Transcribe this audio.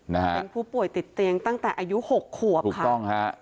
และผู้ป่วยติดเตียงตั้งแต่อายุ๖ครับใช่ไหมค่ะถูกต้องค่ะ